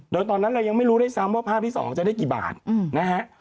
โดยตอนนั้นเรายังไม่รู้ด้วยซ้ำว่าภาพที่๒จะได้กี่บาทนะฮะ